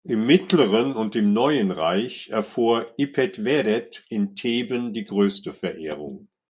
Im Mittleren- und im Neuen Reich erfuhr Ipet-weret in Theben die größte Verehrung.